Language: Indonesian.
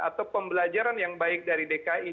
atau pembelajaran yang baik dari dki